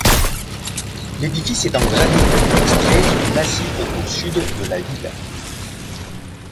L'édifice est en granite extrait du massif au sud de la ville.